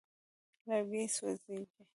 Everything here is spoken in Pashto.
لرګي سوځېږي.